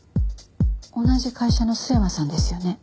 同じ会社の須山さんですよね？